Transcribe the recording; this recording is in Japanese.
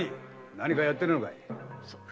何かやってるのかい。